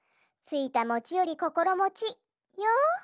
「ついたもちよりこころもち」よ。